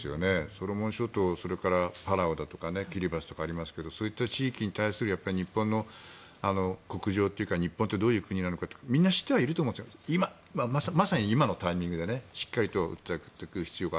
ソロモン諸島、パラオとかキリバスとかありますけどそういった地域に対する日本の国情というか日本ってどういう国なのかとかみんな知ってはいると思うんですがまさに今のタイミングでしっかりと訴えていく必要が